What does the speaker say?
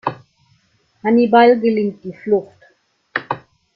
Hannibal gelingt die Flucht.